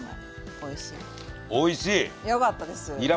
おいしい！